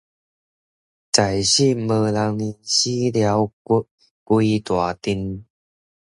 在生無人認，死後歸大陣